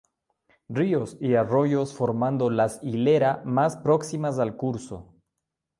Ríos y arroyos formando las hilera más próximas al curso.